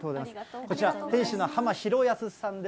こちら、店主のはま弘泰さんです。